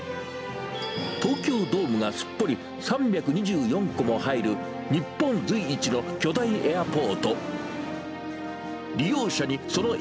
東京ドームがすっぽり３２４個も入る、日本随一の巨大エアポート。